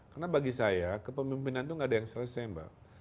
karena bagi saya kepemimpinan itu gak ada yang selesai mbak